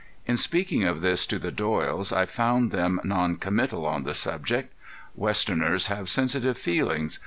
In speaking of this to the Doyles I found them non committal on the subject. Westerners have sensitive feelings.